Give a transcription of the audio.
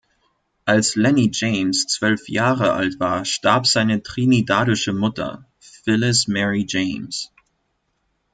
Als Lennie James zwölf Jahre alt war, starb seine trinidadische Mutter, Phyllis Mary James.